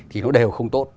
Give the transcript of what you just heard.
thì nó đều không tốt